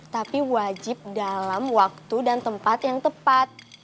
tapi wajib dalam waktu dan tempat yang tepat